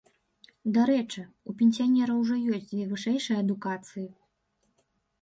Дарэчы, у пенсіянера ўжо ёсць дзве вышэйшыя адукацыі.